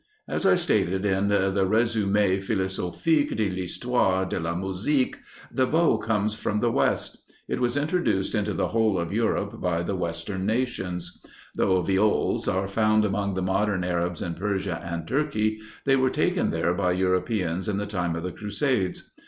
As I stated in the "Résumé Philosophique de l'Histoire de la Musique," the bow comes from the West; it was introduced into the whole of Europe by the western nations. Though Viols are found among the modern Arabs in Persia and Turkey, they were taken there by Europeans in the time of the Crusades.